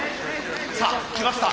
さあきました！